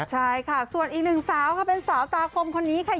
ใช่ค่ะส่วนอีกหนึ่งสาวค่ะเป็นสาวตาคมคนนี้ค่ะ